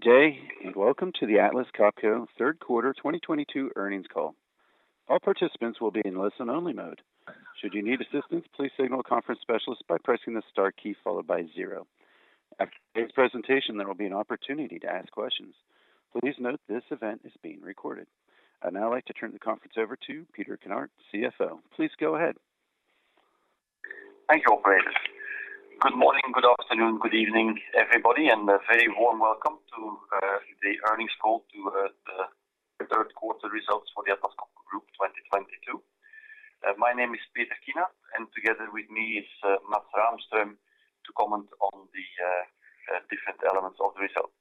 Good day, and welcome to the Atlas Copco Q3 2022 earnings call. All participants will be in listen only mode. Should you need assistance, please signal a conference specialist by pressing the star key followed by zero. After today's presentation, there will be an opportunity to ask questions. Please note this event is being recorded. I'd now like to turn the conference over to Peter Kinnart, CFO. Please go ahead. Thank you, operator. Good morning, good afternoon, good evening, everybody, and a very warm welcome to the earnings call to the Q3 results for the Atlas Copco Group 2022. My name is Peter Kinnart, and together with me is Mats Rahmström, to comment on the different elements of the result.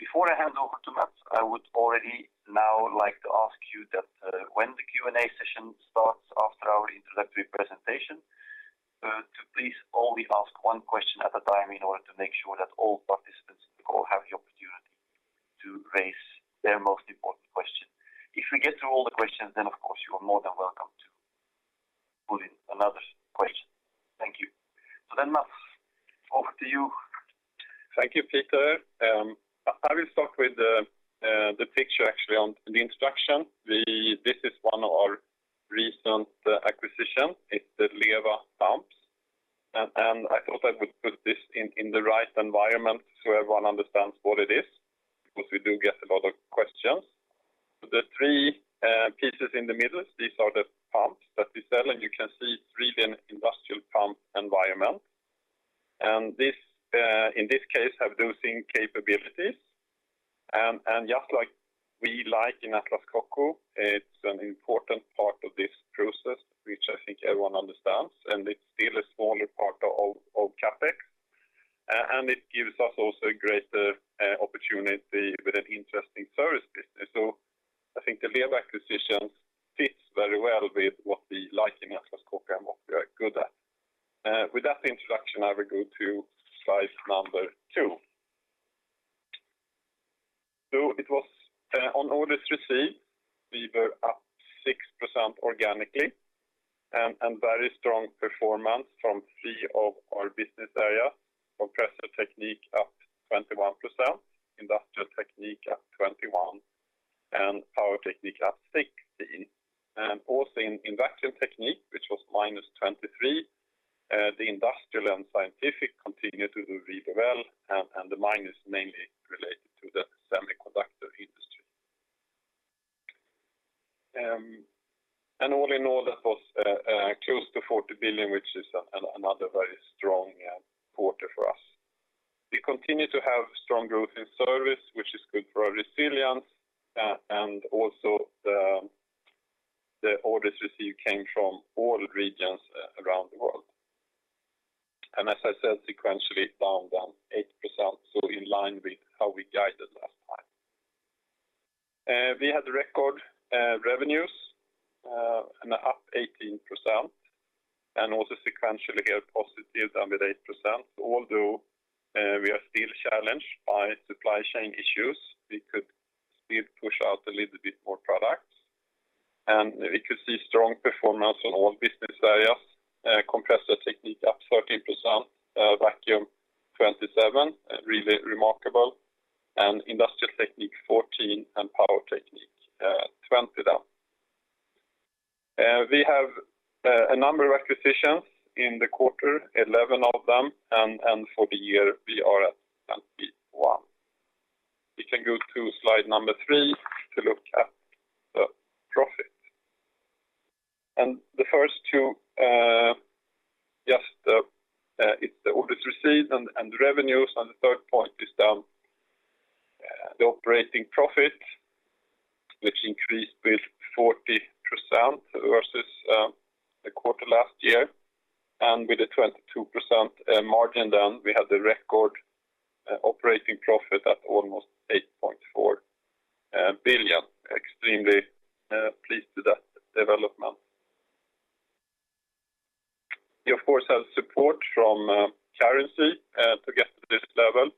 Before I hand over to Mats, I would already now like to ask you that, when the Q&A session starts after our introductory presentation, to please only ask one question at a time in order to make sure that all participants on the call have the opportunity to raise their most important question. If we get through all the questions, then of course, you are more than welcome to put in another question. Thank you. Mats, over to you. Thank you, Peter. I will start with the picture actually on the introduction. This is one of our recent acquisition. It's the Lewa pumps. I thought I would put this in the right environment so everyone understands what it is, because we do get a lot of questions. The three pieces in the middle, these are the pumps that we sell, and you can see it's really an industrial pump environment. In this case have dosing capabilities. Just like we like in Atlas Copco, it's an important part of this process, which I think everyone understands, and it's still a smaller part of CapEx. It gives us also a greater opportunity with an interesting service business. I think the Lewa acquisition fits very well with what we like in Atlas Copco and what we are good at. With that introduction, I will go to slide number two. It was on orders received, we were up 6% organically, and very strong performance from three of our business area. Compressor Technique up 21%, Industrial Technique up 21%, and Power Technique up 16%. Also in Vacuum Technique, which was -23%, the industrial and scientific continue to do really well, and the minus mainly related to the semiconductor industry. And all in all, that was close to 40 billion, which is another very strong quarter for us. We continue to have strong growth in service, which is good for our resilience, and also the orders received came from all regions around the world. As I said, sequentially down 8%, so in line with how we guided last time. We had record revenues and up 18%, and also sequentially here, positive down 8%. Although we are still challenged by supply chain issues, we could still push out a little bit more products. We could see strong performance on all business areas. Compressor Technique up 13%, Vacuum Technique 27%, really remarkable. Industrial Technique 14%, and Power Technique 20% down. We have a number of acquisitions in the quarter, 11 of them, and for the year, we are at 21. We can go to slide number three to look at the profit. The first two just it's the orders received and revenues, and the third point is the operating profit, which increased with 40% versus the quarter last year. With a 22% margin now, we had the record operating profit at almost 8.4 billion. Extremely pleased with that development. We of course have support from currency to get to this level.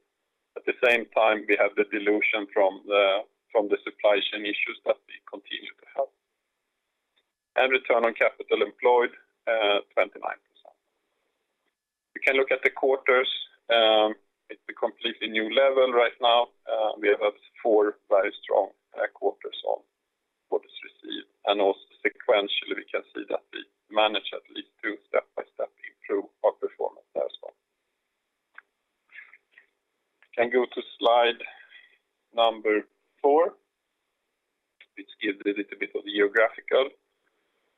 At the same time, we have the dilution from the supply chain issues that we continue to have. Return on capital employed 29%. We can look at the quarters. It's a completely new level right now. We have four very strong quarters in orders received. Also sequentially, we can see that we managed at least to step by step improve our performance as well. Can go to slide number four, which gives a little bit of geographical.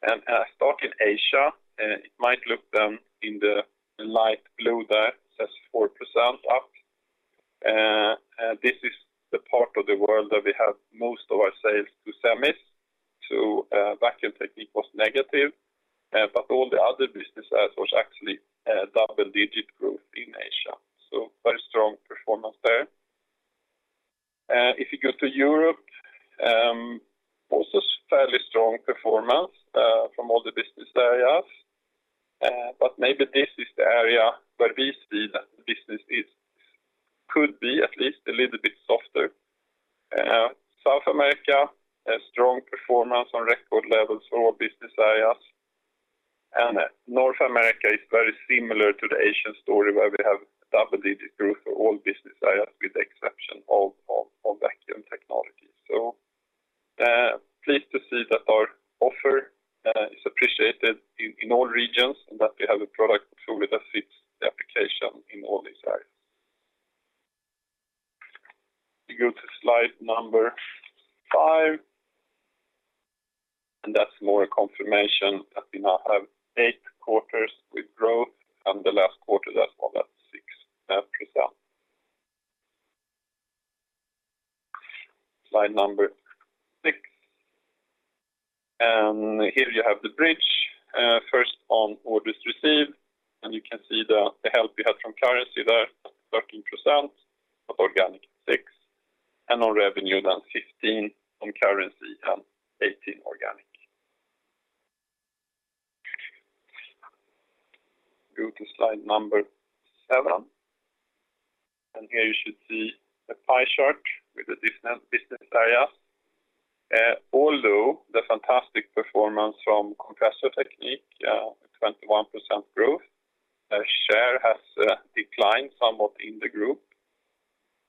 I start in Asia. It might look down in the light blue there, says 4% up. This is the part of the world that we have most of our sales to semis. Vacuum Technique was negative, but all the other business areas was actually double-digit growth in Asia. Very strong performance there. If you go to Europe, also fairly strong performance from all the business areas. But maybe this is the area where we see that business could be at least a little bit softer. South America, a strong performance on record levels for all business areas. North America is very similar to the Asian story where we have double-digit growth for all business areas with the exception of Vacuum Technique. Pleased to see that our offer is appreciated in all regions, and that we have a product portfolio that fits the application in all these areas. We go to slide number five, and that's more a confirmation that we now have eight quarters with growth and the last quarter, that's 16%. Slide number six. Here you have the bridge, first on orders received, and you can see the help we had from currency there, 13%, but organic 6%, and on revenue down 15% on currency and 18% organic. Go to slide number seven. Here you should see a pie chart with the different business areas. Although the fantastic performance from Compressor Technique, with 21% growth, share has declined somewhat in the group.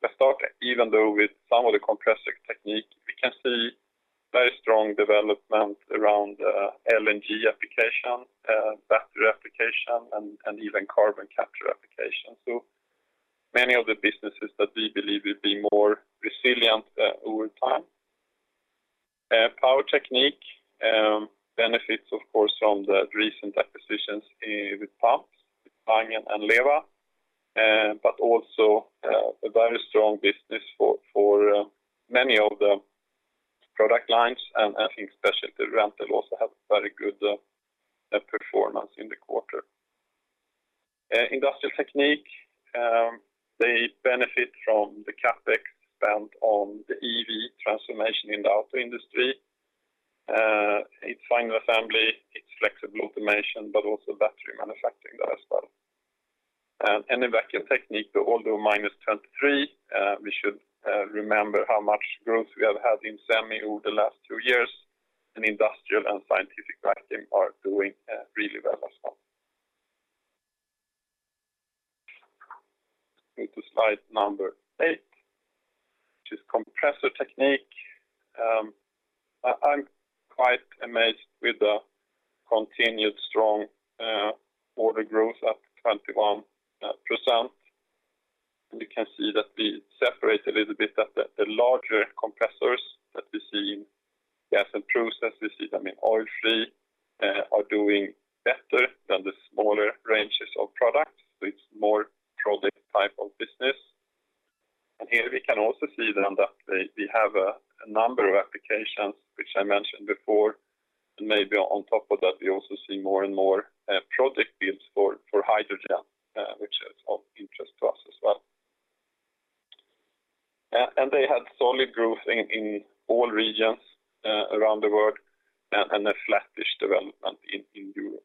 Let's start even though with some of the Compressor Technique, we can see very strong development around LNG application, battery application, and even carbon capture application. Many of the businesses that we believe will be more resilient over time. Power Technique benefits, of course, from the recent acquisitions with pumps, with Wangen and Lewa, but also a very strong business for many of the product lines and especially the rental also had very good performance in the quarter. Industrial Technique, they benefit from the CapEx spent on the EV transformation in the auto industry. It's final assembly, its flexible automation, but also battery manufacturing there as well. In Vacuum Technique, although -23%, we should remember how much growth we have had in semi over the last two years, and industrial and scientific vacuum are doing really well as well. Go to slide number eight, which is Compressor Technique. I'm quite amazed with the continued strong order growth at 21%. You can see that we separate a little bit that the larger compressors that we see in Gas and Process, we see them in oil-free, are doing better than the smaller ranges of products. It's more project type of business. Here we can also see that we have a number of applications which I mentioned before. Maybe on top of that, we also see more and more project builds for hydrogen, which is of interest to us as well. They had solid growth in all regions around the world and a flattish development in Europe.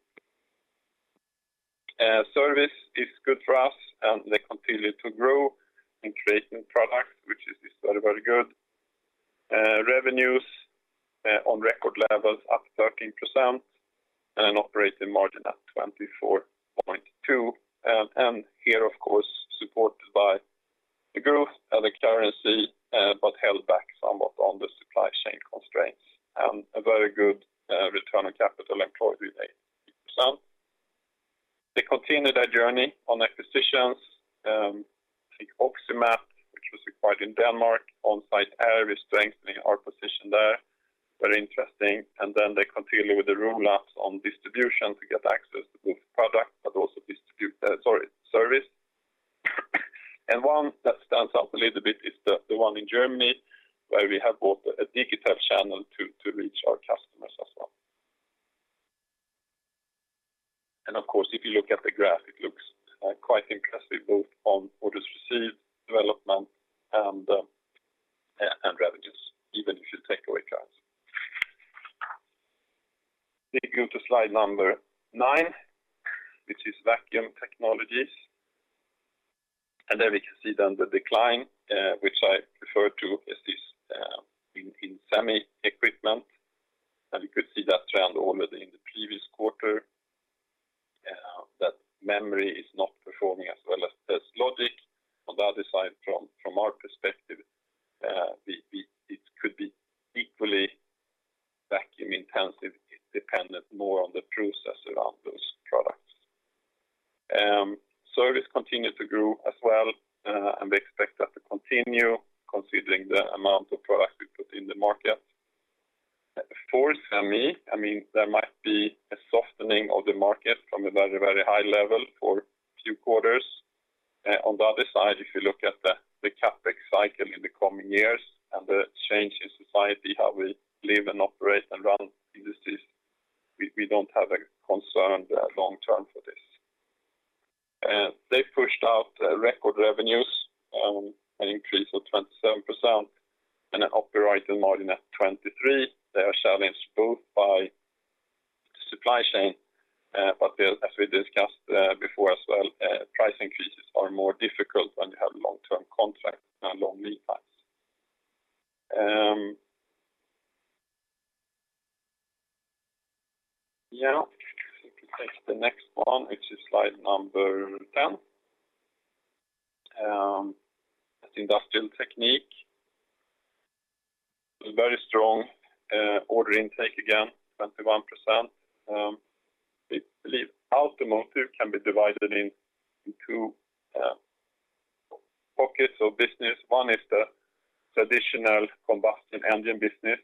Service is good for us, and they continue to grow in creating products, which is very good. Revenues on record levels up 13% and an operating margin at 24.2%. Here, of course, supported by the growth of the currency, but held back somewhat on the supply chain constraints. A very good return on capital employed with a 50%. They continue their journey on acquisitions. I think Oximat, which was acquired in Denmark, on-site air, is strengthening our position there. Very interesting. They continue with the rollout phase on distribution to get access to both product, but also distribute service. One that stands out a little bit is the one in Germany, where we have bought a digital channel to reach our customers as well. Of course, if you look at the graph, it looks quite impressive both on orders received, development, and revenues, even if you take away clouds. You go to slide number nine, which is Vacuum Technique. There we can see the decline, which I refer to as this in semi equipment. You could see that trend already in the previous quarter that memory is not performing as well as logic. On the other side, from our perspective, it could be equally vacuum-intensive. It's dependent more on the process around those products. Service continued to grow as well, and we expect that to continue considering the amount of products we put in the market. For semi, I mean, there might be a softening of the market from a very, very high level for a few quarters. On the other side, if you look at the CapEx cycle in the coming years and the change in society, how we live and operate and run industries, we don't have a concern long term for this. They pushed out record revenues, an increase of 27% and operating margin at 23%. They are challenged both by the supply chain, but they're, as we discussed, before as well, price increases are more difficult when you have long-term contracts and long lead times. Yeah. If you take the next one, which is slide number 10, that's Industrial Technique. It was a very strong order intake, again, 21%. We believe Automotive can be divided into pockets of business. One is the traditional combustion engine business.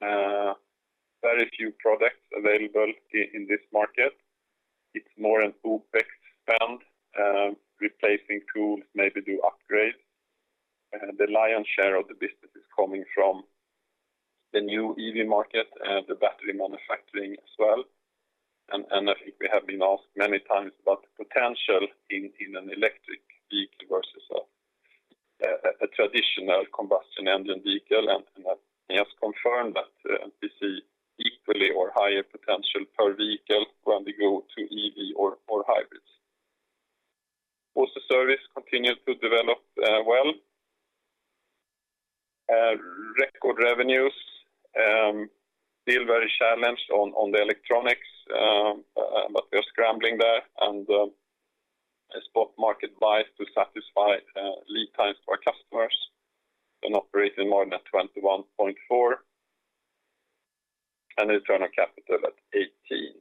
Very few products available in this market. It's more an OPEX spend, replacing tools, maybe do upgrades. The lion's share of the business is coming from the new EV market and the battery manufacturing as well. I think we have been asked many times about the potential in an electric vehicle versus a traditional combustion engine vehicle. I may just confirm that we see equally or higher potential per vehicle when we go to EV or hybrids. Also Service continued to develop. Record revenues, still very challenged on the electronics, but we are scrambling there. A spot market buys to satisfy lead times to our customers. An operating margin at 21.4% and return on capital at 18%.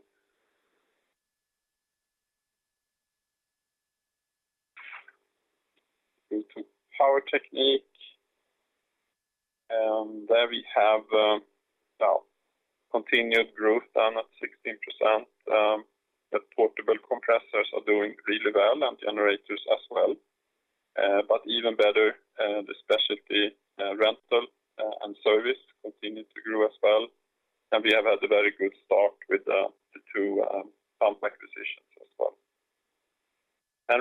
Into Power Technique. There we have continued growth down at 16%. The portable compressors are doing really well and generators as well. But even better, the specialty rental and service continued to grow as well. We have had a very good start with the two pump acquisitions as well.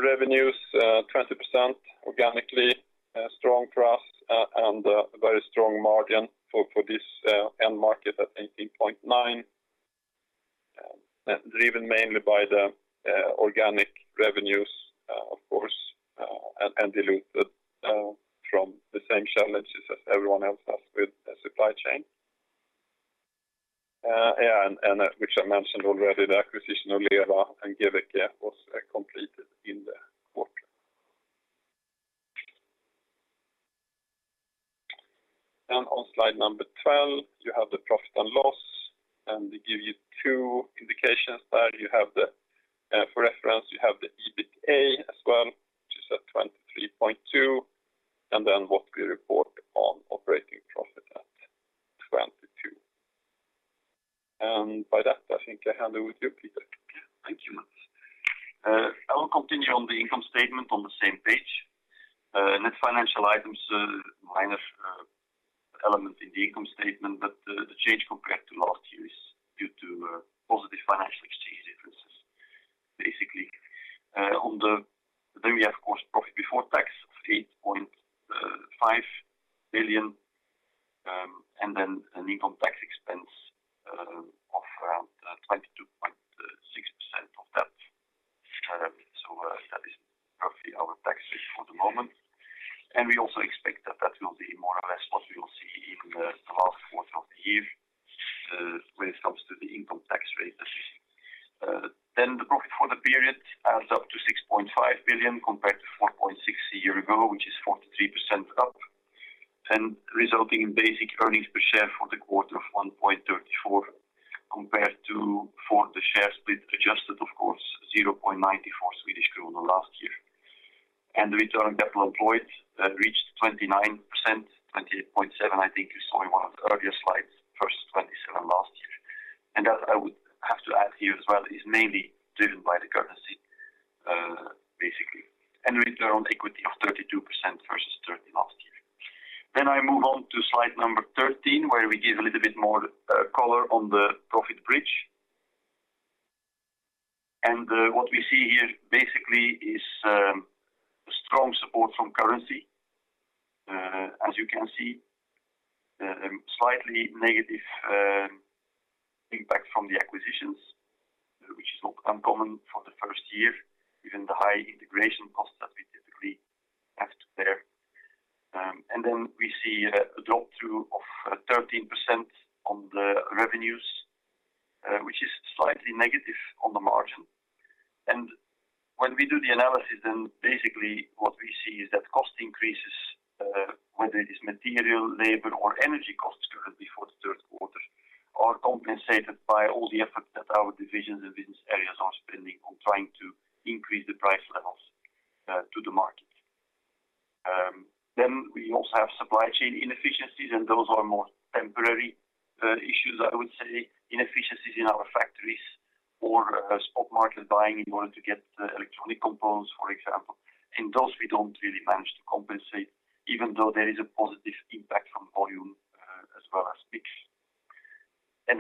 Revenues 20% organically strong for us and a very strong margin for this end market at 18.9%. Driven mainly by the organic revenues of course and diluted from the same challenges as everyone else has with the supply chain. Which I mentioned already, the acquisition of Lewa and Geveke was completed in the quarter. On slide number 12, you have the profit and loss, and we give you two indications there. For reference, you have the EBITA as well, which is at 23.2%, and then what we report on operating profit at 22%. By that, I think I hand over to you, Peter Kinnart. Thank you, Mats. I will continue on the income statement on the same page. Net financial items, a minor element in the income statement, but the change compared to last year is due to positive financial exchange differences, basically. Then we have, of course, profit before tax of 8.5 billion, and then an income tax expense of around 22.6% of that. So, that is roughly our tax rate for the moment. We also expect that that will be more or less what we will see in the last quarter of the year, when it comes to the income tax rate. The profit for the period adds up to 6.5 billion compared to 4.6 billion a year ago, which is 43% up, and resulting in basic earnings per share for the quarter of 1.34 compared to, for the share split adjusted, of course, 0.94 Swedish kronor last year. The return on capital employed, that reached 29%, 28.7%, I think you saw in one of the earlier slides, versus 27% last year. That I would have to add here as well is mainly driven by the currency, basically. Return on equity of 32% versus 30% last year. I move on to slide number 13, where we give a little bit more color on the profit bridge. What we see here basically is a strong support from currency, as you can see. Slightly negative impact from the acquisitions, which is not uncommon for the first year, given the high integration costs that we typically have to bear. We see a drop-through of 13% on the revenues, which is slightly negative on the margin. When we do the analysis, basically what we see is that cost increases, whether it is material, labor or energy costs currently for the Q3, are compensated by all the effort that our divisions and business areas are spending on trying to increase the price levels to the market. We also have supply chain inefficiencies, and those are more temporary issues, I would say. Inefficiencies in our factories or spot market buying in order to get electronic components, for example. Those we don't really manage to compensate, even though there is a positive impact on volume, as well as mix.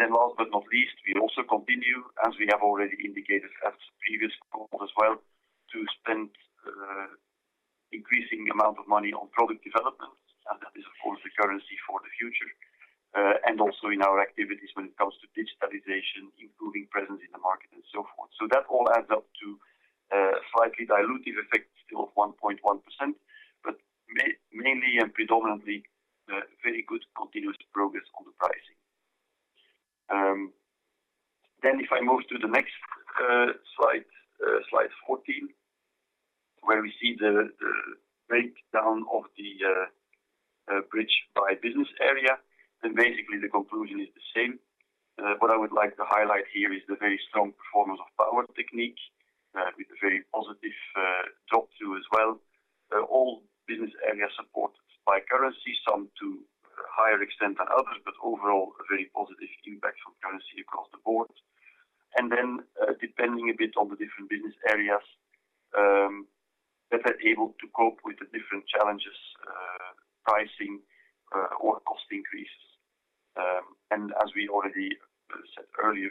Last but not least, we also continue, as we have already indicated at previous calls as well, to spend increasing amount of money on product development. That is, of course, the currency for the future. Also in our activities when it comes to digitalization, improving presence in the market and so forth. That all adds up to slightly dilutive effect still of 1.1%, but mainly and predominantly, the very good continuous progress on the pricing. If I move to the next slide 14, where we see the breakdown of the bridge by business area, then basically the conclusion is the same. What I would like to highlight here is the very strong performance of Power Technique with a very positive drop-through as well. All business areas supported by currency, some to a higher extent than others, but overall a very positive impact from currency across the board. Depending a bit on the different business areas, that they're able to cope with the different challenges, pricing or cost increases. As we already said earlier,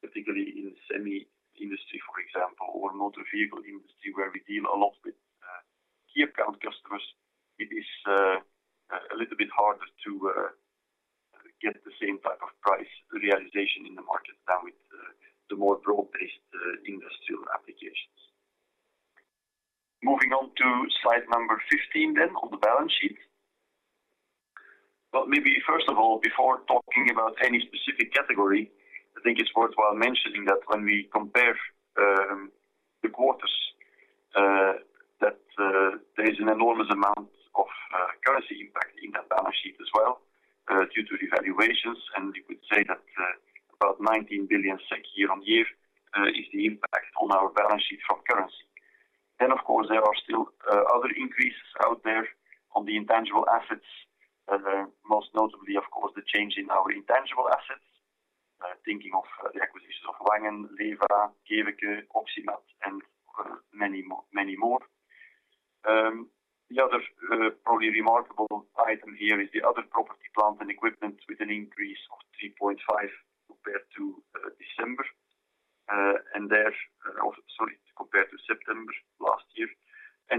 particularly in semi industry, for example, or motor vehicle industry where we deal a lot with key account customers, it is a little bit harder to get the same type of price realization in the market than with the more broad-based industrial applications. Moving on to slide number 15 then on the balance sheet. Maybe first of all, before talking about any specific category, I think it's worthwhile mentioning that when we compare the quarters, that there is an enormous amount of currency impact in that balance sheet as well, due to devaluations. You could say that about 19 billion SEK year-on-year is the impact on our balance sheet from currency. Of course, there are still other increases out there on the intangible assets. Most notably, of course, the change in our intangible assets, thinking of the acquisitions of Wangen, Lewa, Geveke, Oxymat, and many more. The other probably remarkable item here is the other property, plant, and equipment with an increase of SEK 3.5 compared to September last year.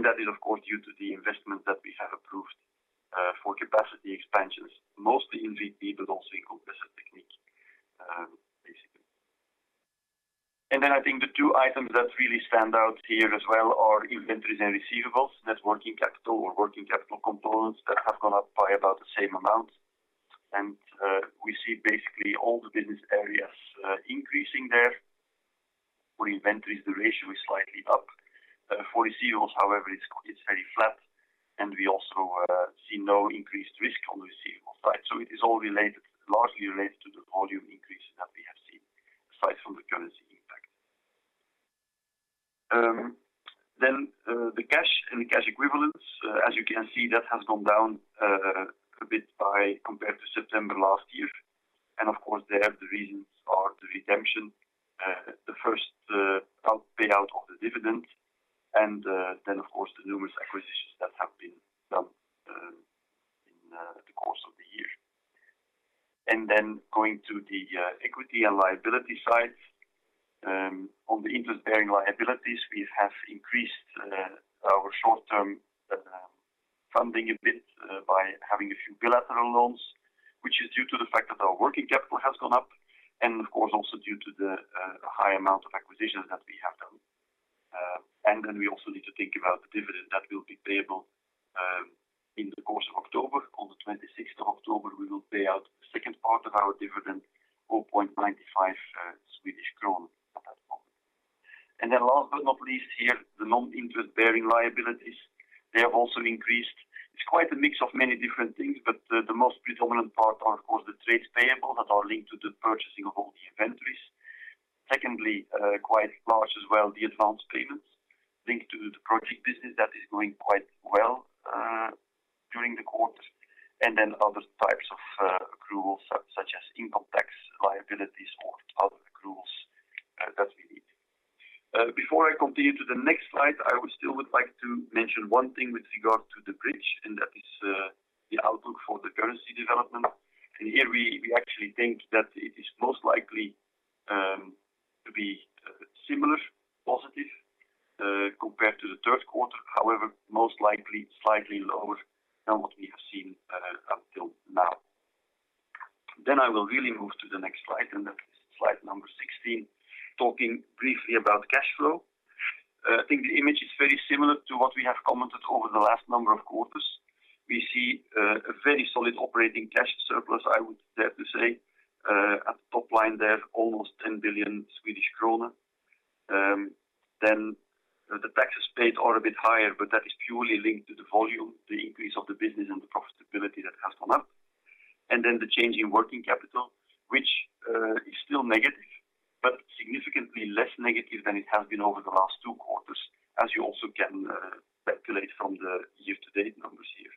That is of course due to the investment that we have approved for capacity expansions, mostly in VT, but also in Compressor Technique, basically. Then I think the two items that really stand out here as well are inventories and receivables. Net working capital or working capital components that have gone up by about the same amount. We see basically all the business areas increasing there. For inventories, the ratio is slightly up. For receivables, however, it's very flat, and we also see no increased risk on the receivable side. It is all related, largely related to the volume increases that we have seen, aside from the currency impact. Then, the cash and cash equivalents, as you can see, that has gone down a bit, compared to September last year. Of course, there the reasons are the redemption, the first payout of the dividend, and then of course, the numerous acquisitions that have been done, in the course of the year. Then going to the equity and liability side. On the interest-bearing liabilities, we have increased our short-term funding a bit by having a few bilateral loans, which is due to the fact that our working capital has gone up and of course, also due to the high amount of acquisitions that we have done. We also need to think about the dividend that will be payable in the course of October. On October 26, we will pay out the second part of our dividend, 4.95 Swedish kronor at that moment. Then last but not least, here, the non-interest-bearing liabilities, they have also increased. It's quite a mix of many different things, but the most predominant part are of course, the trade payables that are linked to the purchasing of all the inventories. Secondly, quite large as well, the advanced payments linked to the project business that is going quite well during the quarter. Other types of accruals such as income tax liabilities or other accruals that we need. Before I continue to the next slide, I would still like to mention one thing with regard to the bridge, and that is the outlook for the currency development. Here we actually think that it is most likely to be similar positive compared to the Q3, however, most likely slightly lower than what we have seen until now. I will really move to the next slide, and that is slide number 16, talking briefly about cash flow. I think the image is very similar to what we have commented over the last number of quarters. We see a very solid operating cash surplus, I would dare to say. At the top line there, almost 10 billion Swedish kronor. The taxes paid are a bit higher, but that is purely linked to the volume, the increase of the business and the profitability that has gone up. The change in working capital, which is still negative, but significantly less negative than it has been over the last two quarters, as you also can calculate from the year-to-date numbers here.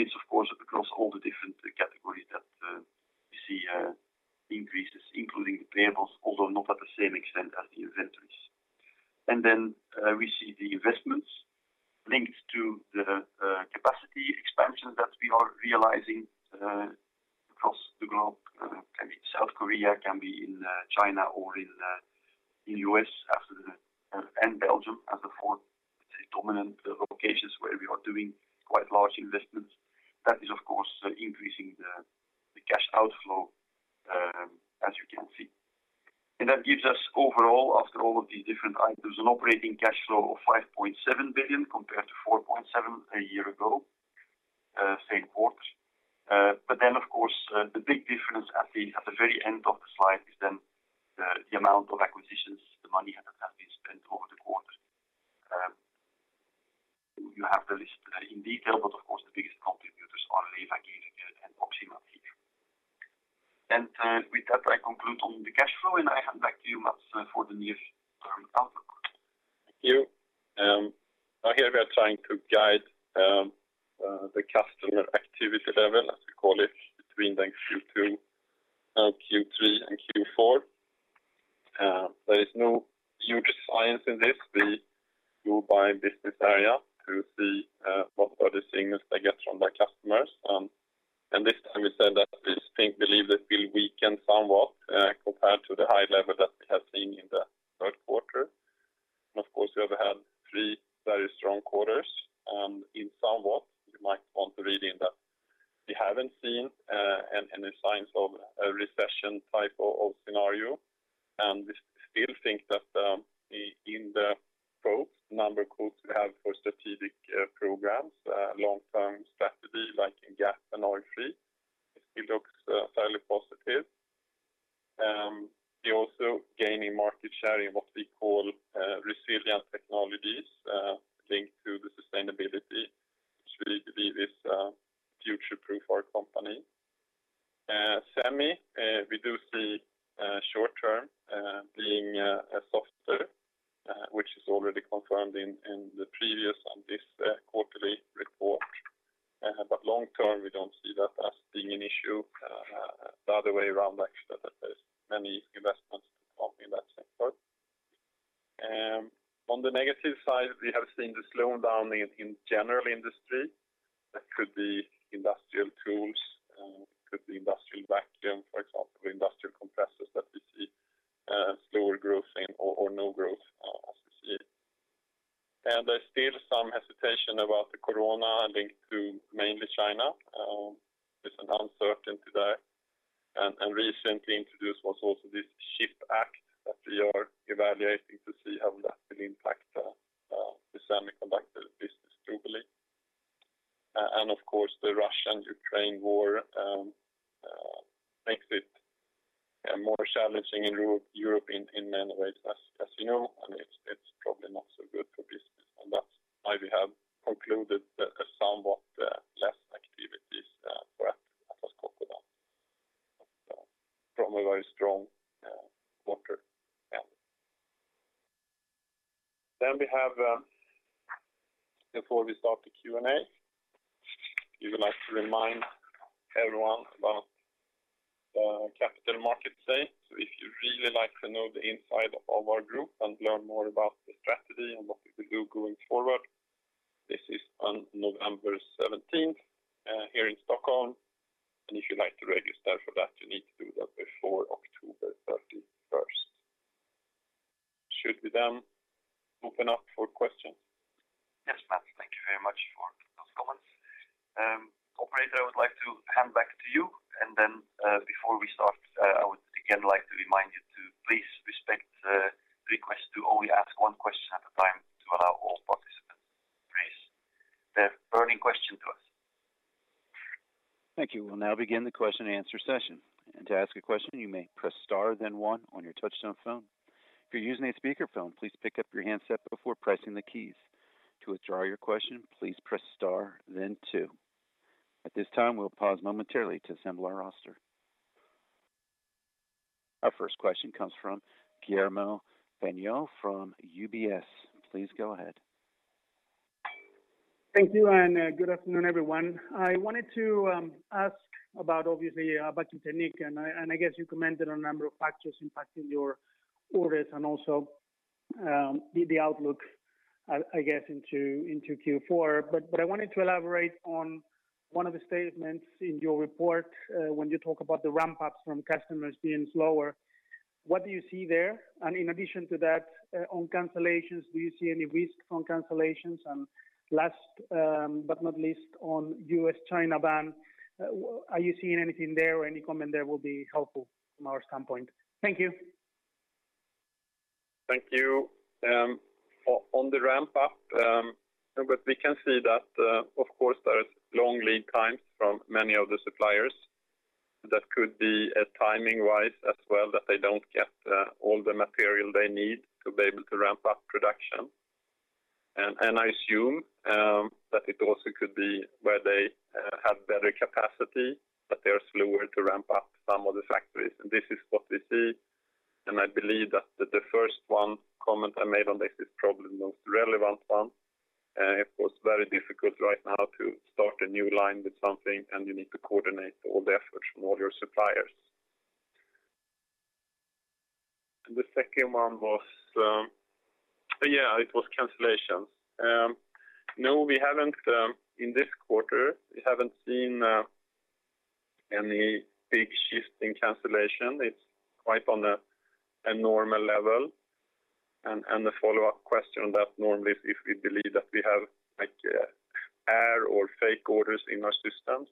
It's of course across all the different categories that we see increases, including the payables, although not at the same extent as the inventories. We see the investments linked to the capacity expansions that we are realizing in Europe, in South Korea, in China or in the US, and in Belgium as the four dominant locations where we are doing quite large investments. That is, of course, increasing the cash outflow, as you can see. That gives us overall, after all of these different items, an operating cash flow of 5.7 billion compared to 4.7 billion a year ago, same quarter. Of course, the big difference at the very end of the slide is the amount of acquisitions, the money that has been spent over the quarter. You have the list in detail, but of course, the biggest contributors are Lewa here and Oxymat here. with that, I conclude on the cash flow, and I hand back to you, Mats, for the near-term outlook. Thank you. Here we are trying to guide the customer activity level, as we call it, between Q2, Q3, and Q4. There is no huge science in this. We go by business area to see what are the signals they get from their customers. This time we said that we think, believe that will weaken somewhat compared to the high level that we have seen in the Q3. Of course, we have had three very strong quarters. In somewhat, you might want to read in that we haven't seen any signs of a recession type of scenario. We still think that in the quotes, number of quotes we have for strategic programs, long-term strategy like in CapEx and oil-free, it still looks fairly positive. We're also gaining market share in what we call resilient technologies linked to the sustainability, which we believe is future-proof our company. Semi, we do see short term being softer, which is already confirmed in the previous and this quarterly report. Long term, we don't see that as being an issue, the other way around, actually, that there's many investments to come in that sector. On the negative side, we have seen the slowing down in general industry. That could be industrial tools, could be industrial vacuum, for example, industrial compressors that we see slower growth in or no growth, as we see it. There's still some hesitation about the corona linked to mainly China. There's an uncertainty there. Recently introduced was also this CHIPS and Science Act that we are evaluating to see how that will impact the semiconductor business globally. Of course, the Russo-Ukrainian War makes it more challenging in Europe in many ways, as you know, and it's probably not so good for business. That's why we have concluded that somewhat less activities for us as From a very strong quarter, yeah. We have, before we start the Q&A, we would like to remind everyone about the Capital Markets Day. If you really like to know the inside of our group and learn more about the strategy and what we will do going forward, this is on November 17 here in Stockholm. If you'd like to register for that, you need to do that before October thirty-first. Should we then open up for questions? Yes, Mats. Thank you very much for those comments. Operator, I would like to hand back to you. Before we start, I would again like to remind you to please respect the request to only ask one question at a time to allow all participants to raise their burning question to us. Thank you. We'll now begin the question and answer session. To ask a question, you may press star then one on your touchtone phone. If you're using a speakerphone, please pick up your handset before pressing the keys. To withdraw your question, please press star then two. At this time, we'll pause momentarily to assemble our roster. Our first question comes from Guillermo Peigneux-Lojo from UBS. Please go ahead. Thank you, good afternoon, everyone. I wanted to ask about, obviously, your technique, and I guess you commented on a number of factors impacting your orders and also the outlook, I guess, into Q4. I wanted to elaborate on one of the statements in your report when you talk about the ramp-ups from customers being slower. What do you see there? In addition to that, on cancellations, do you see any risk on cancellations? Last, but not least, on U.S.-China ban, are you seeing anything there or any comment there will be helpful from our standpoint? Thank you. Thank you. On the ramp-up, but we can see that, of course, there is long lead times from many of the suppliers. That could be timing-wise as well, that they don't get all the material they need to be able to ramp up production. I assume that it also could be where they have better capacity, but they are slower to ramp up some of the factories. This is what we see. I believe that the first one comment I made on this is probably the most relevant one. It was very difficult right now to start a new line with something, and you need to coordinate all the efforts from all your suppliers. The second one was, it was cancellations. No, we haven't, in this quarter, we haven't seen any big shift in cancellation. It's quite on a normal level. The follow-up question on that normally is if we believe that we have, like, air or fake orders in our system.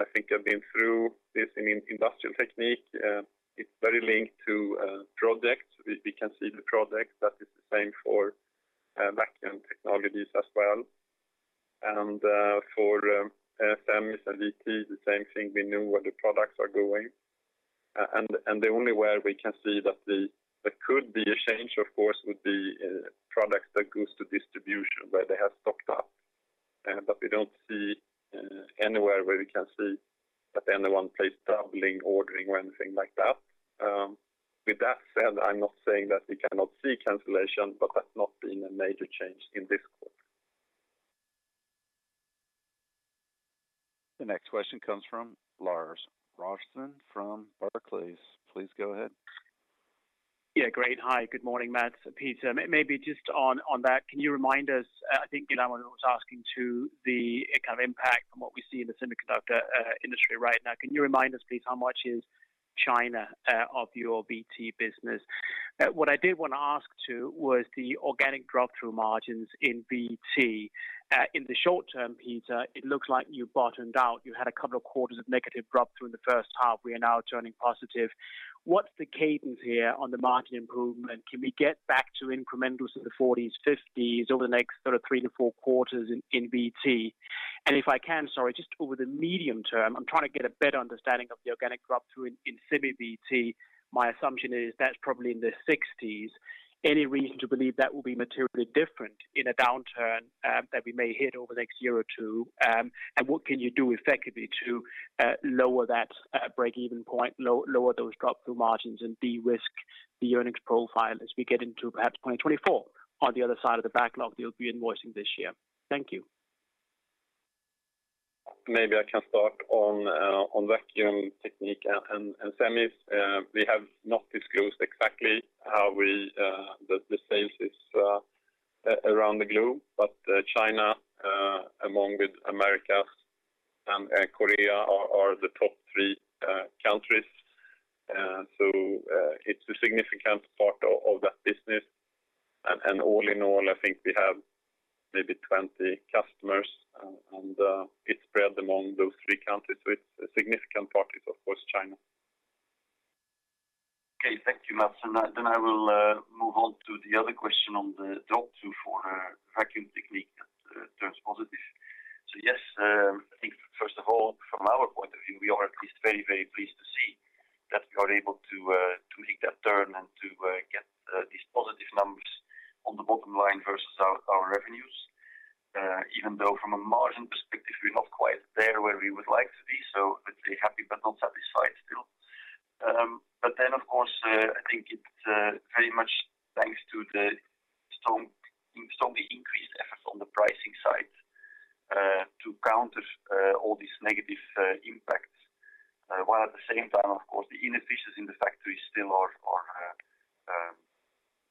I think I've been through this in Industrial Technique. It's very linked to projects. We can see the projects. That is the same for Vacuum Technique as well. For semis and VT, the same thing, we know where the products are going. The only way we can see that there could be a change, of course, would be products that goes to distribution where they have stocked up. But we don't see anywhere where we can see that anyone plays doubling, ordering or anything like that. With that said, I'm not saying that we cannot see cancellation, but that's not been a major change in this quarter. The next question comes from Lars Brorson from Barclays. Please go ahead. Yeah, great. Hi, good morning, Mats, Peter. Maybe just on that, can you remind us, I think you know I was asking about the kind of impact from what we see in the semiconductor industry right now. Can you remind us, please, how much is China of your VT business? What I did wanna ask, too, was the organic drop-through margins in VT. In the short term, Peter, it looks like you bottomed out. You had a couple of quarters of negative drop through in the first half. We are now turning positive. What's the cadence here on the margin improvement? Can we get back to incrementals in the forties, fifties over the next sort of three to four quarters in VT? If I can, sorry, just over the medium term, I'm trying to get a better understanding of the organic drop-through in semi VT. My assumption is that's probably in the 60s%. Any reason to believe that will be materially different in a downturn that we may hit over the next year or two? What can you do effectively to lower that break-even point, lower those drop-through margins and de-risk the earnings profile as we get into perhaps 2024 on the other side of the backlog that you'll be invoicing this year? Thank you. Maybe I can start on Vacuum Technique and semis. We have not disclosed exactly how the sales is around the globe. China, along with Americas and Korea are the top three countries. It's a significant part of that business. All in all, I think we have maybe 20 customers, and it's spread among those three countries, so it's a significant part, of course, China. Okay. Thank you, Mats. I will move on to the other question on the drop-through for Vacuum Technique that turns positive. Yes, I think first of all, from our point of view, we are at least very, very pleased to see that we are able to make that turn and to get these positive numbers on the bottom line versus our revenues. Even though from a margin perspective, we're not quite there where we would like to be. Let's say happy but not satisfied still. Of course, I think it's very much thanks to the strongly increased efforts on the pricing side to counter all these negative impacts. While at the same time, of course, the inefficiencies in the factory still are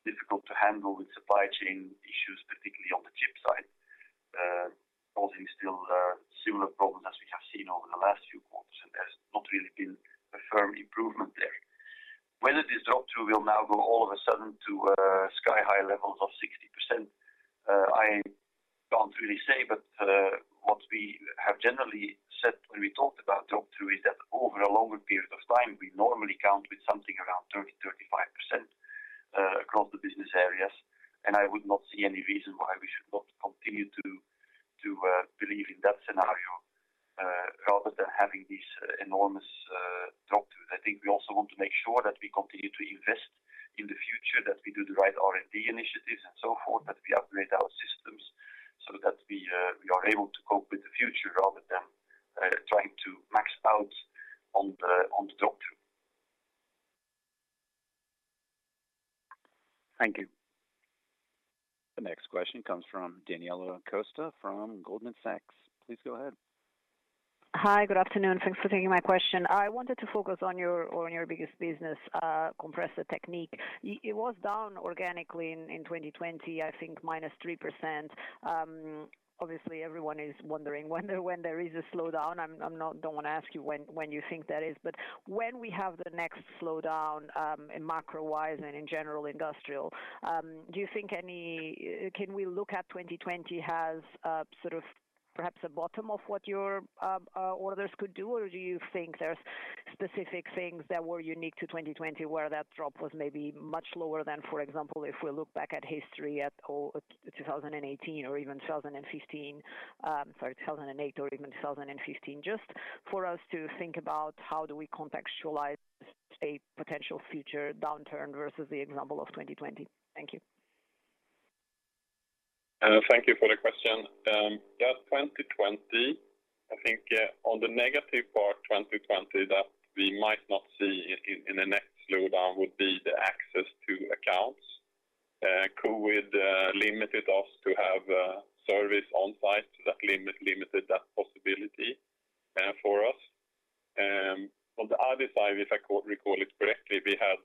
difficult to handle with supply chain issues, particularly on the chip side, causing still similar problems as we have seen over the last few quarters, and there's not really been a firm improvement there. Whether this drop-through will now go all of a sudden to sky-high levels of 60%, I can't really say. What we have generally said when we talked about drop-through is that over a longer period of time, we normally count with something around 30%-35% across the business areas, and I would not see any reason why we should not continue to believe in that scenario rather than having these enormous drop-throughs. I think we also want to make sure that we continue to invest in the future, that we do the right R&D initiatives and so forth, that we upgrade our systems so that we are able to cope with the future rather than trying to max out on the drop-through. Thank you. The next question comes from Daniela Costa from Goldman Sachs. Please go ahead. Hi, good afternoon. Thanks for taking my question. I wanted to focus on your biggest business, Compressor Technique. It was down organically in 2020, I think -3%. Obviously everyone is wondering when there is a slowdown. I don't want to ask you when you think that is. When we have the next slowdown, in macro-wise and in general industrial, do you think? Can we look at 2020 as sort of perhaps a bottom of what your orders could do? Or do you think there's specific things that were unique to 2020 where that drop was maybe much lower than, for example, if we look back at history at all, 2018 or even 2008 or even 2015? Just for us to think about how do we contextualize a potential future downturn versus the example of 2020. Thank you. Thank you for the question. Yeah, 2020, I think, on the negative part, 2020 that we might not see in the next slowdown would be the access to accounts. COVID limited us to have service on site. That limited that possibility for us. On the other side, if I recall it correctly, we had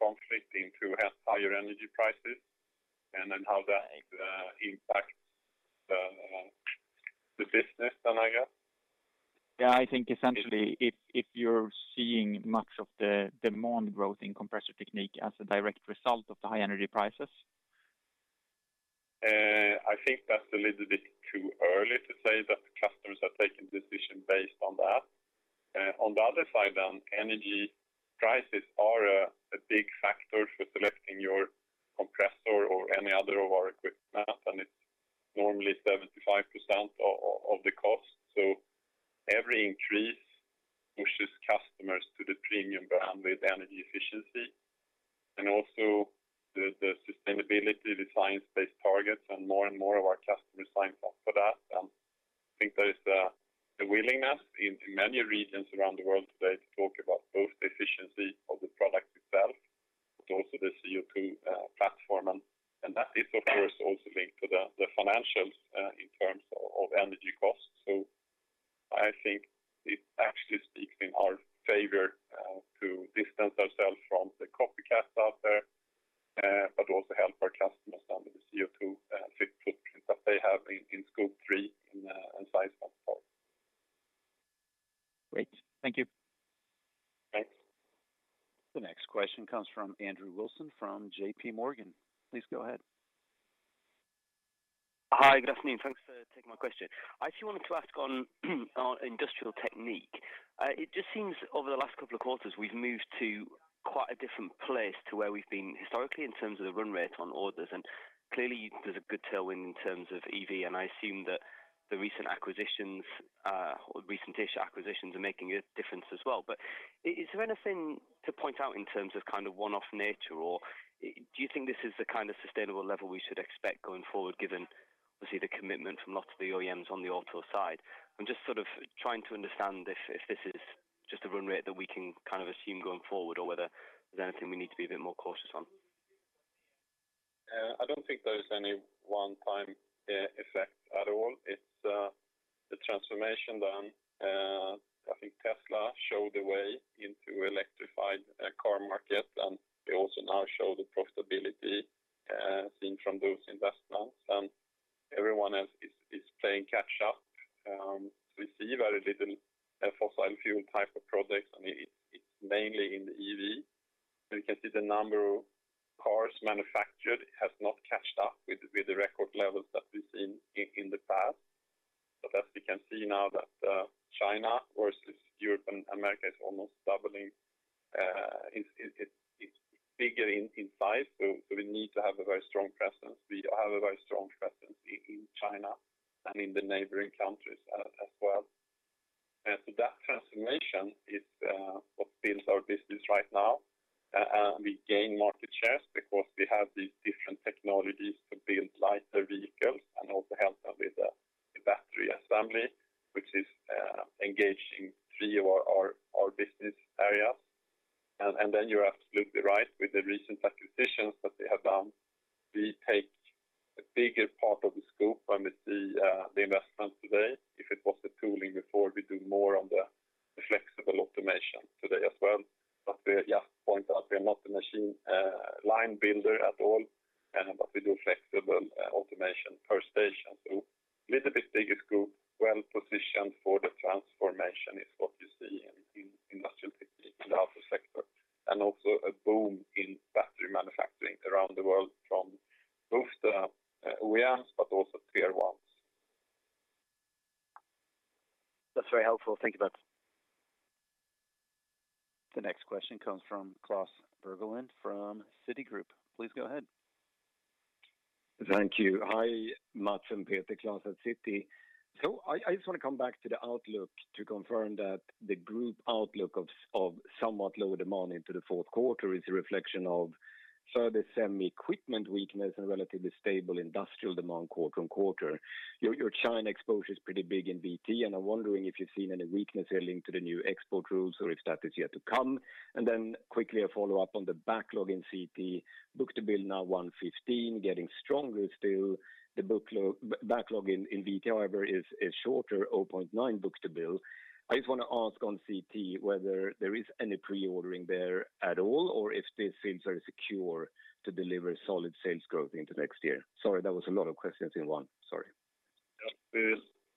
conflict to having higher energy prices, and then how that impacts the business then, I guess? Yeah, I think essentially if you're seeing much of the demand growth in Compressor Technique as a direct result of the high energy prices. I think that's a little bit too early to say that the customers are taking decision based on that. On the other side, energy prices are a big factor for selecting your compressor or any other of our equipment, and it's normally 75% of the cost. Every increase pushes customers to the premium brand with energy efficiency. Also the sustainability science-based targets, and more and more of our customers sign up for that. I think there is the willingness in many regions around the world today to talk about both the efficiency of the product itself, but also the CO2 platform and that is of course also linked to the financials in terms of energy costs. I think it actually speaks in our favor to distance ourselves from the copycats out there, but also help our customers down with the CO2 footprint that they have in Scope three inside Scope four. Great. Thank you. Thanks. The next question comes from Andrew Wilson from JPMorgan. Please go ahead. Hi, good afternoon. Thanks for taking my question. I actually wanted to ask on Industrial Technique. It just seems over the last couple of quarters, we've moved to quite a different place to where we've been historically in terms of the run rate on orders, and clearly there's a good tailwind in terms of EV, and I assume that the recent acquisitions, or recent-Ish acquisitions are making a difference as well. Is there anything to point out in terms of kind of one-off nature, or do you think this is the kind of sustainable level we should expect going forward, given obviously the commitment from lots of the OEMs on the auto side? I'm just sort of trying to understand if this is just a run rate that we can kind of assume going forward or whether there's anything we need to be a bit more cautious on. I don't think there's any one-time effect at all. It's the transformation then. I think Tesla showed the way into electrified car market, and they also now show the profitability seen from those investments, and everyone else is playing catch up. We see very little fossil fuel type of products. I mean, it's mainly in the EV. We can see the number of cars manufactured has not caught up with the record levels that we've seen in the past. As we can see now that China versus Europe and America is almost doubling, it's bigger in size. We need to have a very strong presence. We have a very strong presence in China and in the neighboring countries as well. That transformation is what builds our business right now. We gain market shares because we have these different technologies to build lighter vehicles and also help them with the battery assembly, which is engaging three of our business areas. You're absolutely right, with the recent acquisitions that The backlog in VT, however, is shorter, 0.9 book-to-bill. I just wanna ask on CT whether there is any pre-ordering there at all, or if this seems very secure to deliver solid sales growth into next year. Sorry, that was a lot of questions in one. Sorry. Yeah. We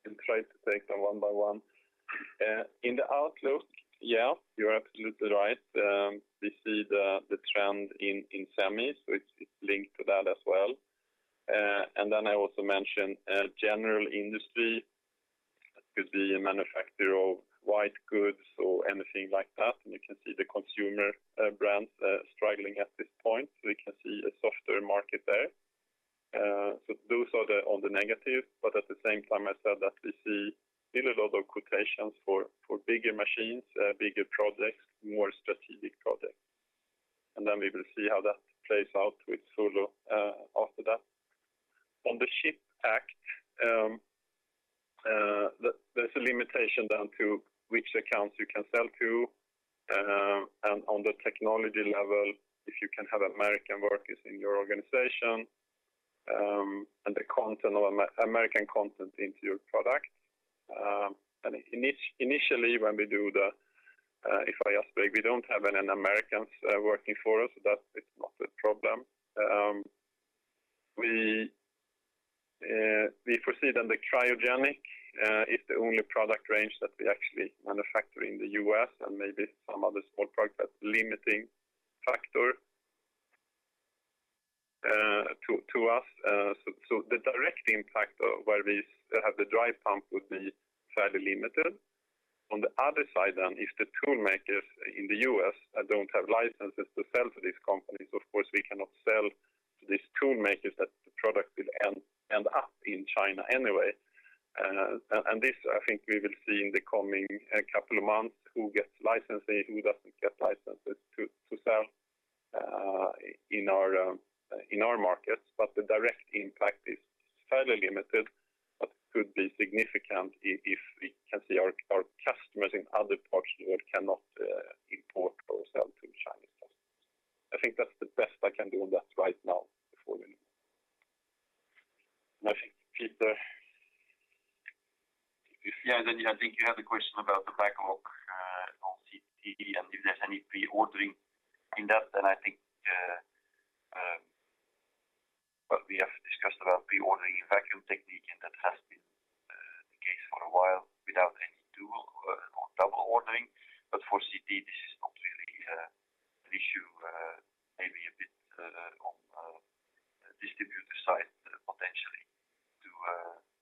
will try to take them one by one. In the outlook, yeah, you're absolutely right. We see the trend in semi, so it's linked to that as well. Then I also mentioned general industry. That could be a manufacturer of white goods or anything like that, and you can see the consumer brands struggling at this point. We can see a softer market there. Those are the on the negative, but at the same time, I said that we see still a lot of quotations for bigger machines, bigger projects, more strategic projects. We will see how that plays out with Solo after that. On the CHIPS Act, there's a limitation down to which accounts you can sell to, and on the technology level, if you can have American workers in your organization, and the content of American content into your product. Initially, if I ask Geert, we don't have any Americans working for us, so it's not a problem. We foresee that the cryogenic is the only product range that we actually manufacture in the U.S. and maybe some other small products that's limiting factor to us. The direct impact of where we have the dry pump would be fairly limited. On the other side, if the tool makers in the US don't have licenses to sell to these companies, of course, we cannot sell to these tool makers that the product will end up in China anyway. This, I think we will see in the coming couple of months who gets licensing, who doesn't get licenses to sell in our markets. The direct impact is fairly limited, but could be significant if we can see our customers in other parts of the world cannot import or sell to Chinese customers. I think that's the best I can do on that right now. I think Peter. Yeah, I think you had a question about the backlog on CT and if there's any pre-ordering in that. I think what we have discussed about pre-ordering in Vacuum Technique, and that has been the case for a while without any double ordering. For CT, this is not really an issue, maybe a bit on distributor side potentially to,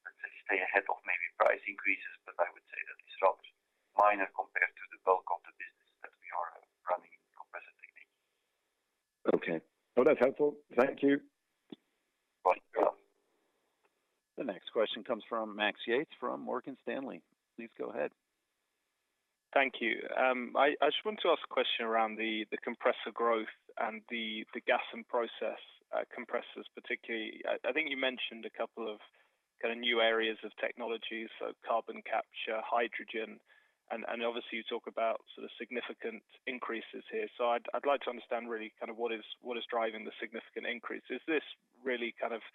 let's say, stay ahead of maybe price increases, but I would say that it's rather minor compared to the bulk of the business that we are running in Compressor Technique. Okay. Well, that's helpful. Thank you. Welcome. The next question comes from Max Yates from Morgan Stanley. Please go ahead. Thank you. I just want to ask a question around the compressor growth and the Gas and Process compressors particularly. I think you mentioned a couple of kind of new areas of technology, so carbon capture, hydrogen, and obviously you talk about sort of significant increases here. I'd like to understand really kind of what is driving the significant increase. Is this really kind of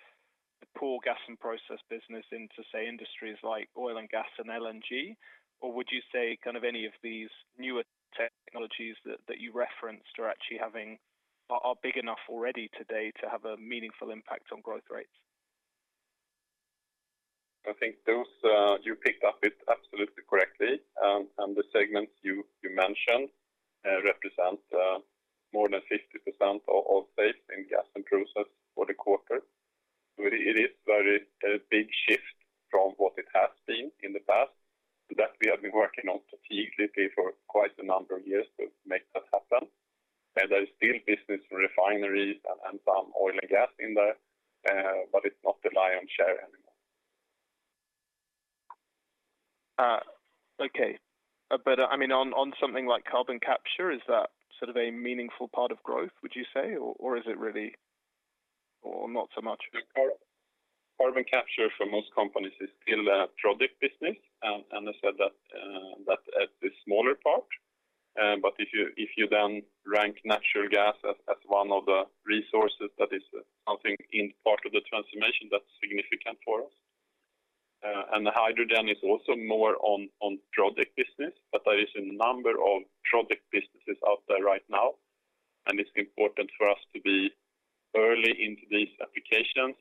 the core Gas and Process business into, say, industries like oil and gas and LNG? Or would you say kind of any of these newer technologies that you referenced are actually big enough already today to have a meaningful impact on growth rates? I think those you picked it up absolutely correctly, and the segments you mentioned represent more than 50% of sales in Gas and Process for the quarter. It is a very big shift from what it has been in the past, that we have been working on strategically for quite a number of years to make that happen. There is still business in refineries and some oil and gas in there, but it's not the lion's share anymore. I mean, on something like carbon capture, is that sort of a meaningful part of growth, would you say? Or is it really or not so much? Carbon capture for most companies is still a project business. I said that that's the smaller part, but if you then rank natural gas as one of the resources that is something in part of the transformation that's significant for us. The hydrogen is also more on project business, but there is a number of project businesses out there right now, and it's important for us to be early into these applications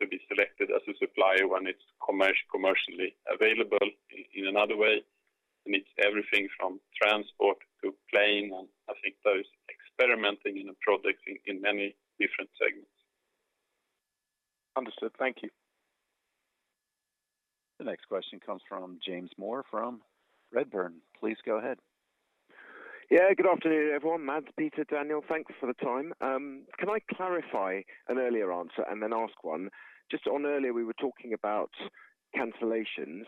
to be selected as a supplier when it's commercially available in another way. It's everything from transport to plane, and I think those experimenting in a project in many different segments. Understood. Thank you. The next question comes from James Moore from Redburn. Please go ahead. Yeah, good afternoon, everyone. Mats, Peter, Daniel, thanks for the time. Can I clarify an earlier answer and then ask one? Just on earlier, we were talking about cancellations,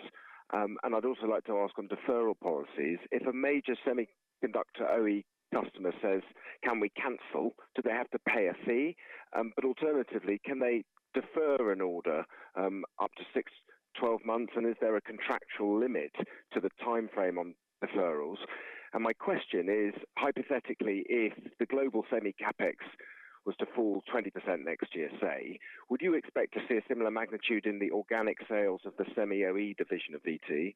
and I'd also like to ask on deferral policies. If a major semiconductor OEM customer says, "Can we cancel?" Do they have to pay a fee? But alternatively, can they defer an order, up to six, 12 months, and is there a contractual limit to the timeframe on deferrals? My question is, hypothetically, if the global semi CapEx was to fall 20% next GSA, would you expect to see a similar magnitude in the organic sales of the Semi OEM division of VT?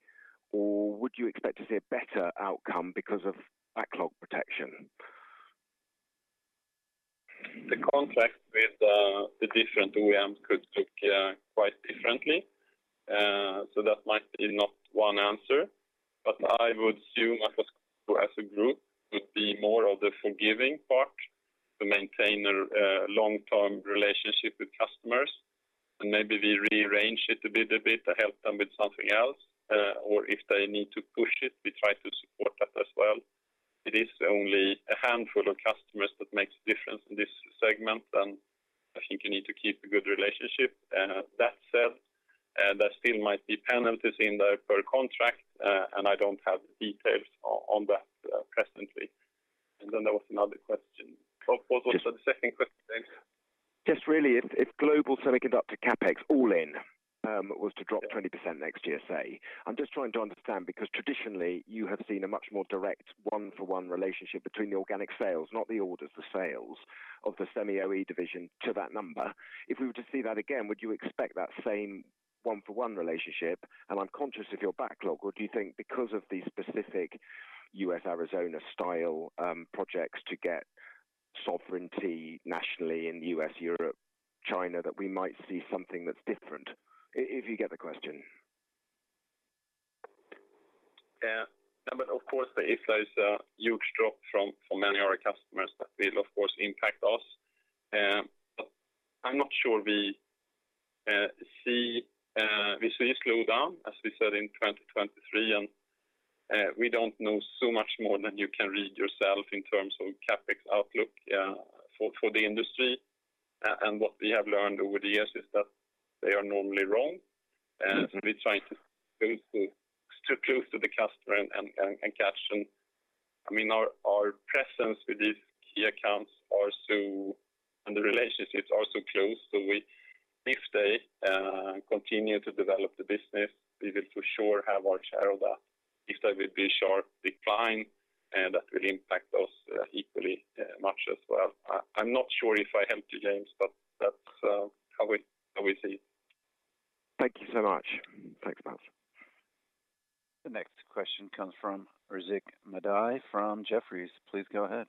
Or would you expect to see a better outcome because of backlog protection? The contract with the different OEMs could look quite differently. That might be not one answer. I would assume Atlas Copco as a group would be more of the forgiving part to maintain a long-term relationship with customers. Maybe we rearrange it a little bit to help them with something else. If they need to push it, we try to support that as well. It is only a handful of customers that makes a difference in this segment, and I think you need to keep a good relationship. That said, there still might be penalties in there per contract, and I don't have the details on that presently. Then there was another question. What was also the second question, James? If global semiconductor CapEx all in was to drop 20% next GSA. I'm just trying to understand because traditionally you have seen a much more direct one-for-one relationship between the organic sales, not the orders, the sales of the Semiconductor division to that number. If we were to see that again, would you expect that same one-for-one relationship? I'm conscious of your backlog. Or do you think because of the specific U.S. Arizona-style projects to get sovereignty nationally in U.S., Europe, China, that we might see something that's different? If you get the question. Yeah. No, of course, if there's a huge drop from many of our customers, that will of course impact us. I'm not sure we see a slowdown, as we said in 2023, and we don't know so much more than you can read yourself in terms of CapEx outlook for the industry. What we have learned over the years is that they are normally wrong. We try to stay close to the customer and capture. I mean, our presence with these key accounts are so close, and the relationships are so close. If they continue to develop the business, we will for sure have our share of that. If there will be a sharp decline, that will impact us equally much as well. I'm not sure if I helped you, James, but that's how we see it. Thank you so much. Thanks, Mats. The next question comes from Rizk Maidi from Jefferies. Please go ahead.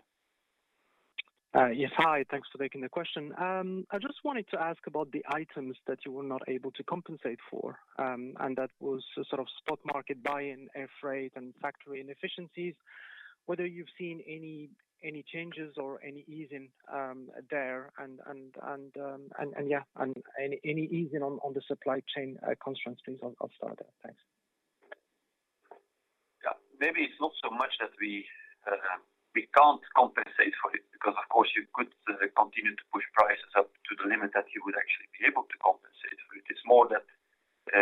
Yes. Hi. Thanks for taking the question. I just wanted to ask about the items that you were not able to compensate for, and that was sort of spot market buy-in, air freight and factory inefficiencies. Whether you've seen any changes or any easing there and any easing on the supply chain constraints, please. I'll start there. Thanks. Yeah. Maybe it's not so much that we can't compensate for it because of course, you could continue to push prices up to the limit that you would actually be able to compensate for it. It's more that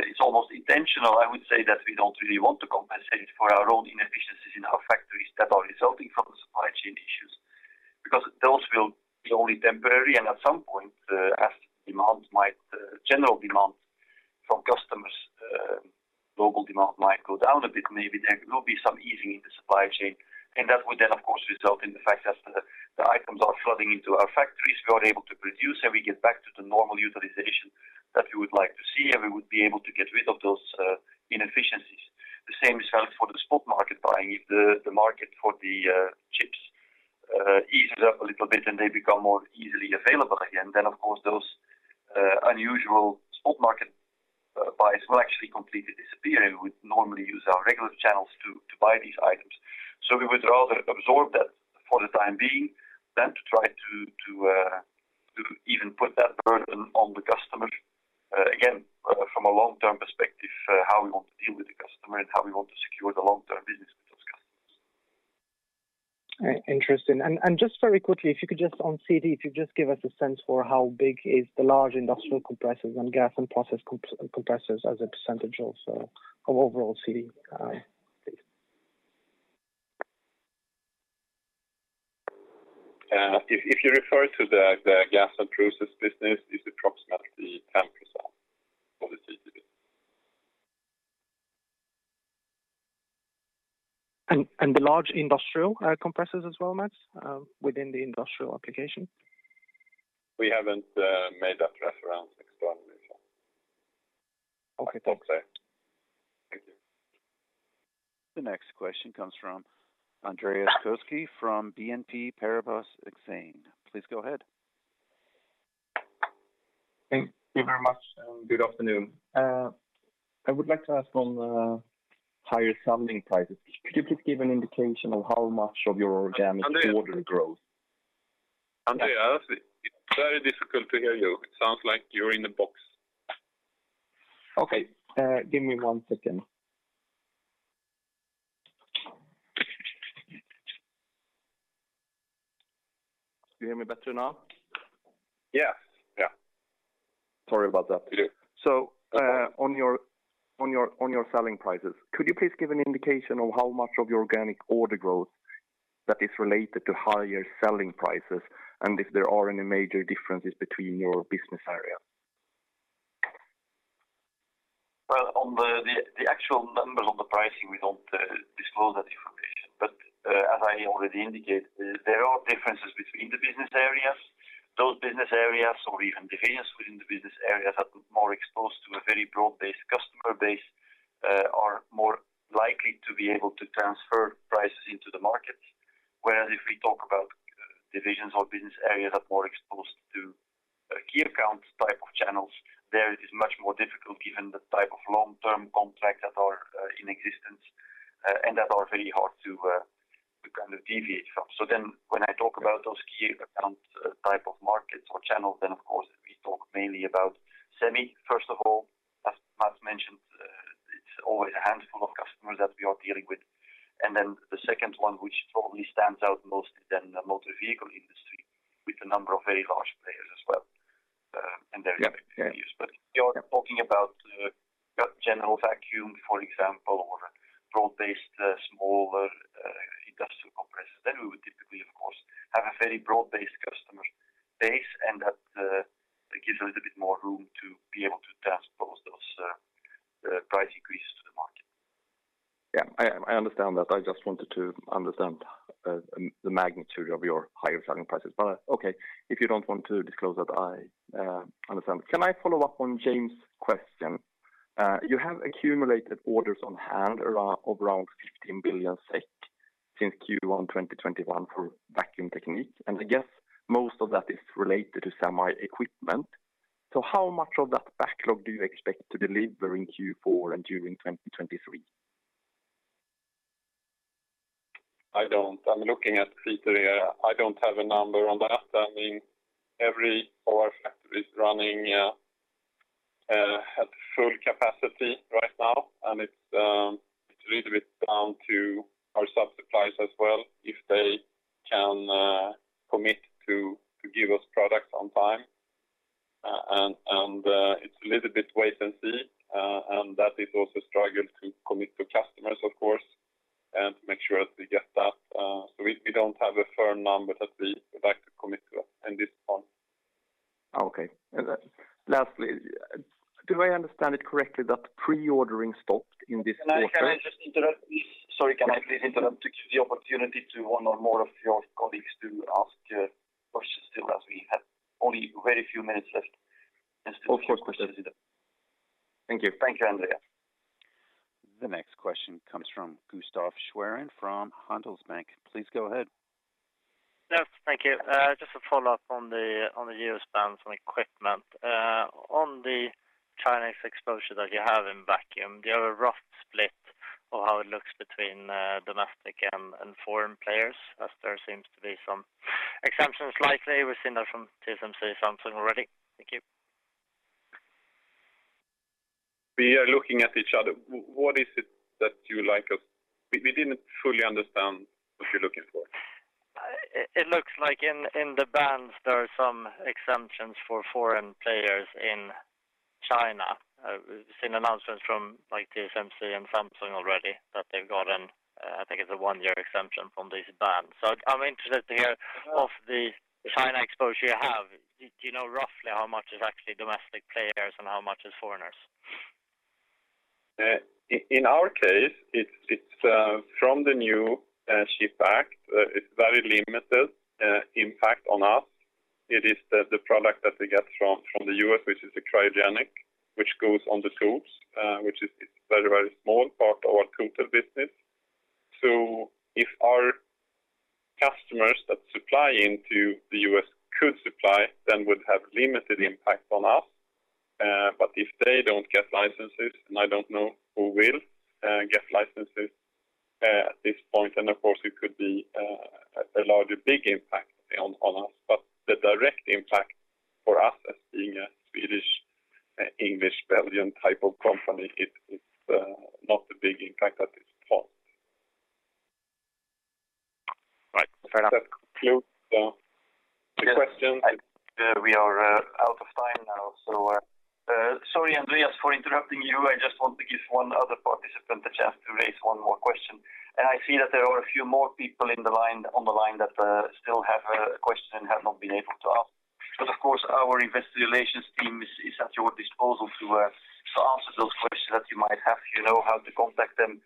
it's almost intentional, I would say that we don't really want to compensate for our own inefficiencies in our factories that are resulting from the supply chain issues, because those will be only temporary. At some point, as demand might, general demand from customers, global demand might go down a bit, maybe there will be some easing in the supply chain. That would then, of course, result in the fact that the items are flooding into our factories, we are able to produce, and we get back to the normal utilization that we would like to see, and we would be able to get rid of those inefficiencies. The same is valid for the spot market buying. If the market for the chips eases up a little bit and they become more easily available again, then of course, those unusual spot market buys will actually completely disappear. We would normally use our regular channels to buy these items. We would rather absorb that for the time being than to try to even put that burden on the customer. Again, from a long-term perspective, how we want to deal with the customer and how we want to secure the long-term business with those customers. Interesting. Just very quickly, if you could just on CT, if you could just give us a sense for how big is the large industrial compressors and Gas and Process compressors as a percentage also of overall CT, please? If you refer to the Gas and Process business, it's approximately 10% of the CT. the large industrial compressors as well, Mats, within the industrial application? We haven't made that reference externally. Okay. Not there. Thank you. The next question comes from Andreas Koski from BNP Paribas Exane. Please go ahead. Thank you very much, and good afternoon. I would like to ask on higher selling prices. Could you please give an indication of how much of your organic- Andreas? order growth. Andreas, it's very difficult to hear you. It sounds like you're in a box. Okay. Give me one second. Do you hear me better now? Yes. Yeah. Sorry about that. Yeah. On your selling prices, could you please give an indication on how much of your organic order growth that is related to higher selling prices, and if there are any major differences between your business area? Well, on the actual numbers on the pricing, we don't disclose that information. As I already indicated, there are differences between the business areas. Those business areas or even divisions within the business areas that are more exposed to a very broad-based customer base are more likely to be able to transfer prices into the market. Whereas if we talk about divisions or business areas that are more exposed to a key account type of channels, there it is much more difficult given the type of long-term contracts that are in existence, and that are very hard to kind of deviate from. When I talk about those key account type of markets or channels, then of course we talk mainly about semi, first of all. As Mats mentioned, it's always a handful of customers that we are dealing with. Then the second one, which probably stands out more than the motor vehicle industry, with a number of very large players as well, and their activities. If you're talking about general vacuum, for example, or broad-based smaller industrial compressors, then we would typically, of course, have a very broad-based customer base, and that gives a little bit more room to be able to impose those price increases to the market. Yeah, I understand that. I just wanted to understand the magnitude of your higher selling prices. Okay, if you don't want to disclose that, I understand. Can I follow up on James' question? You have accumulated orders on hand around 15 billion SEK since Q1 2021 for Vacuum Technique, and I guess most of that is related to semi equipment. How much of that backlog do you expect to deliver in Q4 and during 2023? I don't. I'm looking at Peter here. I don't have a number on that. I mean, our factory is running at full capacity right now, and it's a little bit down to our sub-suppliers as well, if they can commit to give us products on time. It's a little bit wait and see, and that is also a struggle to commit to customers, of course, and make sure that we get that. We don't have a firm number that we would like to commit to at this point. Okay. Lastly, do I understand it correctly that pre-ordering stopped in this quarter? Sorry, can I please interrupt to give the opportunity to one or more of your colleagues to ask their questions, as we have only very few minutes left and still a few questions in the- Of course. Thank you. Thank you, Andreas. The next question comes from Gustaf Schwerin from Handelsbanken. Please go ahead. Yes, thank you. Just to follow up on the U.S. bans on equipment. On the Chinese exposure that you have in vacuum, do you have a rough split of how it looks between domestic and foreign players, as there seems to be some exemptions likely? We've seen that from TSMC, Samsung already. Thank you. We are looking at each other. What is it that you like us? We didn't fully understand what you're looking for. It looks like in the bans, there are some exemptions for foreign players in China. We've seen announcements from like TSMC and Samsung already that they've gotten, I think it's a one-year exemption from these bans. I'm interested to hear of the China exposure you have. Do you know roughly how much is actually domestic players and how much is foreigners? In our case, it's from the new CHIPS Act, it's very limited impact on us. It is the product that we get from the US, which is a cryogenic, which goes on the tools, which is a very small part of our total business. If our customers that supply into the US could supply, then would have limited impact on us. But if they don't get licenses, and I don't know who will get licenses at this point, then of course it could be a larger impact on us. The direct impact for us as being a Swedish, English, Belgian type of company, it's not a big impact at this point. Right. Fair enough. Does that conclude the question? Yes. We are out of time now. Sorry, Andreas, for interrupting you. I just want to give one other participant a chance to raise one more question. I see that there are a few more people in the line, on the line that still have a question and have not been able to ask. Our investor relations team is at your disposal to answer those questions that you might have. You know how to contact them.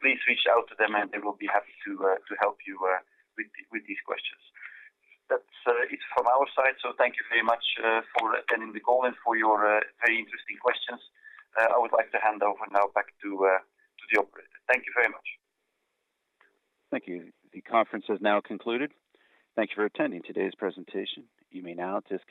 Please reach out to them, and they will be happy to help you with these questions. That's it from our side. Thank you very much for attending the call and for your very interesting questions. I would like to hand over now back to the operator. Thank you very much. Thank you. The conference has now concluded. Thank you for attending today's presentation. You may now disconnect.